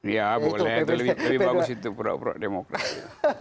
ya boleh lebih bagus itu pura pura demokrasi